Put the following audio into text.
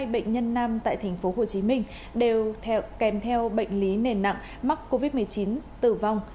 hai bệnh nhân nam tại tp hcm đều kèm theo bệnh lý nền nặng mắc covid một mươi chín tử vong